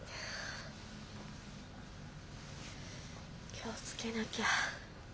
気を付けなきゃ。